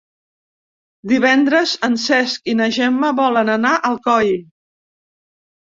Divendres en Cesc i na Gemma voldrien anar a Alcoi.